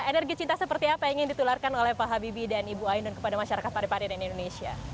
energi cinta seperti apa yang ingin ditularkan oleh pak habibie dan ibu ainun kepada masyarakat parepare dan indonesia